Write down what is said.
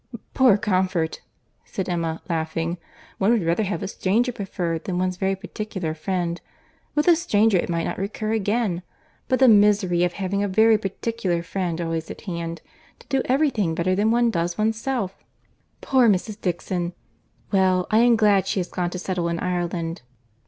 "Poor comfort!" said Emma, laughing. "One would rather have a stranger preferred than one's very particular friend—with a stranger it might not recur again—but the misery of having a very particular friend always at hand, to do every thing better than one does oneself!—Poor Mrs. Dixon! Well, I am glad she is gone to settle in Ireland."